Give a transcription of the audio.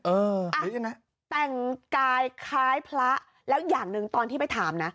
อ่ะแต่งกายคล้ายพระแล้วอย่างหนึ่งตอนที่ไปถามนะ